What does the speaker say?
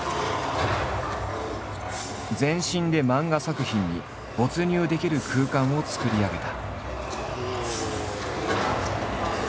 全身で漫画作品に没入できる空間を作り上げた。